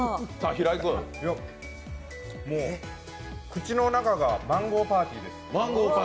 口の中がマンゴーパーティーです。